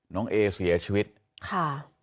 น้องเอเสียชีวิตค่ะ